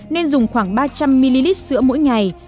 nên dùng khoảng ba trăm linh ml sữa mỗi ngày